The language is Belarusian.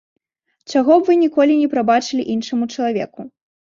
Чаго б вы ніколі не прабачылі іншаму чалавеку?